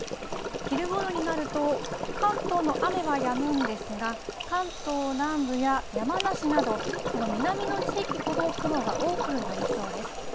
昼ごろになると関東の雨はやむんですが関東南部や山梨などこの南の地域ほど雲が多くなりそうです。